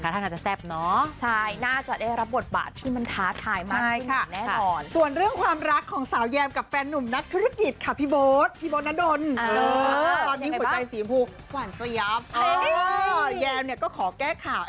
แต่ถ้าให้โชว์ขาดีกว่าก็แบบกับสุรภึมอยู่นะ